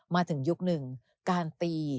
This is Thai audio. มาถึงยุคหนึ่งการตี